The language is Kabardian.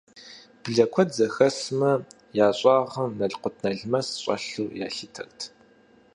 Блэ куэд зэхэсмэ, я щӀагъым налкъут-налмэс щӀэлъу ялъытэрт.